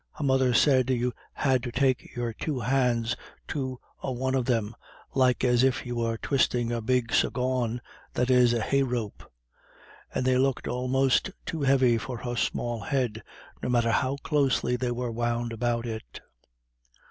Her mother said you had to take your two hands to a one of them, like as if you were twisting a big suggawn (hay rope); and they looked almost too heavy for her small head, no matter how closely they were wound about it.